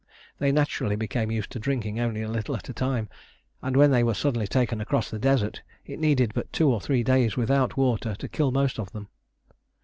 They naturally became used to drinking only a little at a time, and when they were suddenly taken across the desert it needed but two or three days without water to kill most of them.